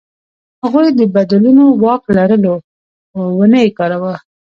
هغوی د بدلونو واک لرلو، خو ونه یې کاراوه.